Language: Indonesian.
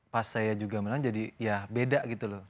pas saya juga menang jadi ya beda gitu loh